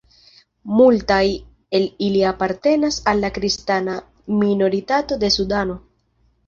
Multaj el ili apartenas al la kristana minoritato de Sudano.